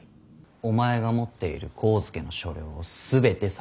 お前が持っている上野の所領を全て差し出せ。